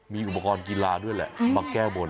มีอุปกรณ์กีฬาด้วยแหละมาแก้บน